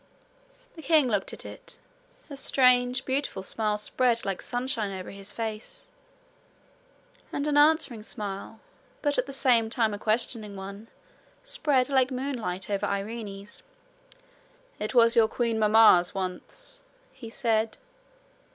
The king looked at it. A strange beautiful smile spread like sunshine over his face, and an answering smile, but at the same time a questioning one, spread like moonlight over Irene's. 'It was your queen mamma's once,' he said.